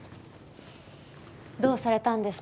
どうされたんですか？